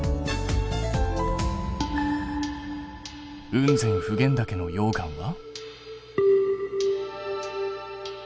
雲仙普賢岳の溶岩は？